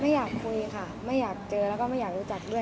อยากคุยค่ะไม่อยากเจอแล้วก็ไม่อยากรู้จักด้วย